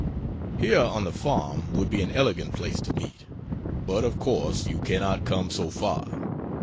Here on the farm would be an elegant place to meet, but of course you cannot come so far.